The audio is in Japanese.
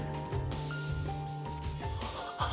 ああ！